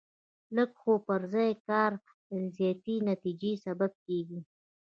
لږ خو پر ځای کار د زیاتې نتیجې سبب کېږي.